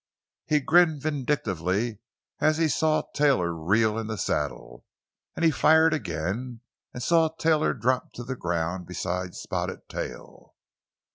He grinned vindictively as he saw Taylor reel in the saddle, and he fired again, and saw Taylor drop to the ground beside Spotted Tail.